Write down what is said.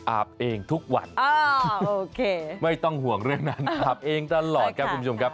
อาบเองทุกวันไม่ต้องห่วงเรื่องนั้นอาบเองตลอดครับคุณผู้ชมครับ